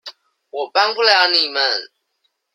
我幫不了你們